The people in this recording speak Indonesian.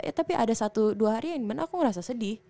tapi ada satu dua hari yang dimana aku ngerasa sedih